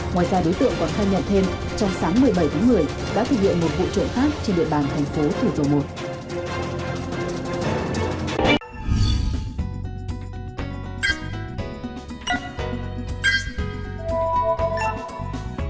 ngoài ra đối tượng còn khai nhận thêm trong sáng một mươi bảy tháng một mươi đã thực hiện một vụ trộm khác trên địa bàn thành phố thủ dầu một